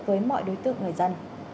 với mọi đối tượng người dân